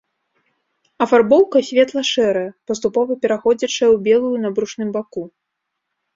Афарбоўка светла-шэрая, паступова пераходзячая ў белую на брушным баку.